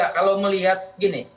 kalau melihat gini